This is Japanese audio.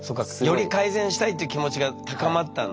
より改善したいって気持ちが高まったんだ。